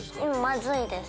まずいです。